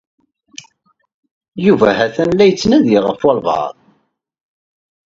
Yuba ha-t-an la yettnadi ɣef walbaɛḍ.